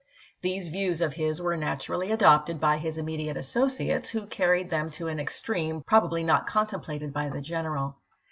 These views of his were naturally adopted by his immediate associates, who carried them to an ex treme probably not contemplated by the general.